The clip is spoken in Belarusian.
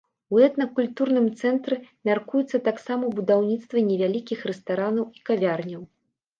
У этнакультурным цэнтры мяркуецца таксама будаўніцтва невялікіх рэстаранаў і кавярняў.